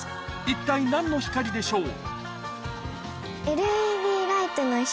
一体何の光でしょう？